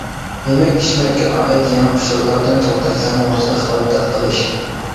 يېمەك-ئىچمەككە ئائىت يېڭى ئۇچۇرلاردىن تورداشلارنى ۋاقتىدا خەۋەردار قىلىش.